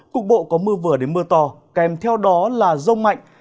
cục bộ có mưa vừa đến mưa to kèm theo đó là rông mạnh